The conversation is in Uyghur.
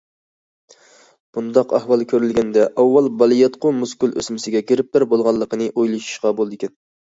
بۇنداق ئەھۋال كۆرۈلگەندە ئاۋۋال بالىياتقۇ مۇسكۇل ئۆسمىسىگە گىرىپتار بولغانلىقىنى ئويلىشىشقا بولىدىكەن.